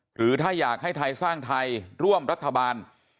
หรือถ้าอยากให้ไทยสร้างไทยร่วมรัฐบาล